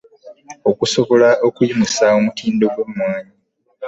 Okusobola okuyimusa omutindo gw'emmwanyi